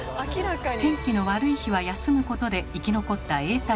天気の悪い日は休むことで生き残ったＡタイプ